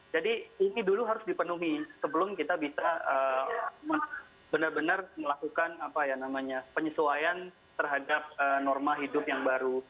jadi ini dulu harus dipenuhi sebelum kita bisa benar benar melakukan penyesuaian terhadap norma hidup yang baru